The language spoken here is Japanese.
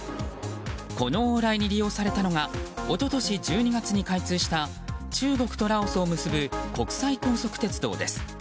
この往来に利用されたのが一昨年１２月に開通した中国とラオスを結ぶ国際高速鉄道です。